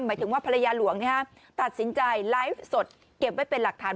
หมายถึงว่าภรรยาหลวงตัดสินใจไลฟ์สดเก็บไว้เป็นหลักฐาน